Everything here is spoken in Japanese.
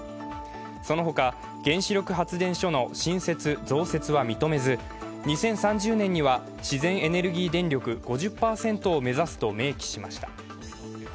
その他、原子力発電所の新設・増設は認めず２０３０年には自然エネルギー電力５０％を目指すと明記しました。